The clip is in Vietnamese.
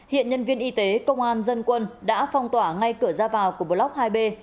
hiện nhân viên y tế công an dân quân đã phong tỏa ngay cửa ra vào của blog hai b